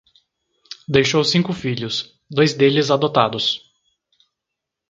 Deixou cinco filhos, dois deles adotados